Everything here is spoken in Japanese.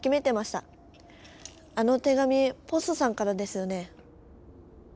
あの手紙ポッソさんからですよね？